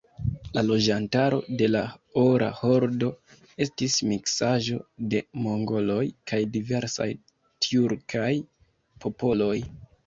La loĝantaro de la Ora Hordo estis miksaĵo de mongoloj kaj diversaj tjurkaj popoloj.